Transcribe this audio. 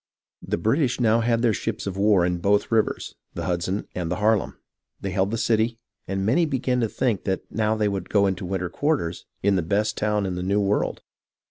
The British now had their ships of war in both rivers, — the Hudson and the Harlem, — they held the city, and many began to think that now they would go into winter quarters in the best town in the New World.